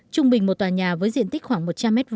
trung bình một tòa nhà với diện tích khoảng một trăm linh m hai